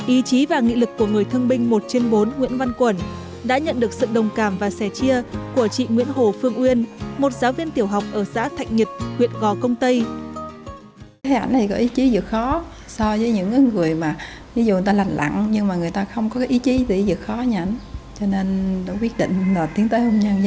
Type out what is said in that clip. ý chí và nghị lực của người thương binh một trên bốn nguyễn văn quẩn đã nhận được sự đồng cảm và sẻ chia của chị nguyễn hồ phương uyên một giáo viên tiểu học ở xã thạnh nhật huyện gò công tây